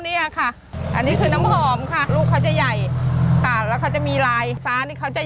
เอามาเดี๋ยวเราไปดูขั้นตอนกันดีกว่า